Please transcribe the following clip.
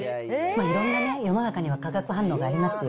いろんな、世の中には化学反応がありますよ。